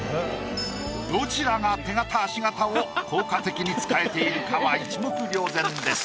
どちらが手形足形を効果的に使えているかは一目瞭然です。